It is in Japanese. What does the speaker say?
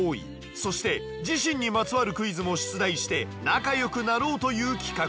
そして自身にまつわるクイズも出題して仲良くなろうという企画。